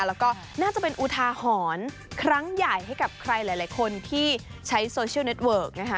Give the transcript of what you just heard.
แล้วก็น่าจะเป็นอุทาหรณ์ครั้งใหญ่ให้กับใครหลายคนที่ใช้โซเชียลเน็ตเวิร์กนะคะ